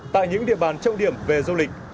tại những địa bàn trọng điểm về du lịch